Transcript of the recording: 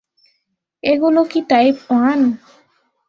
এগুলো কি type one?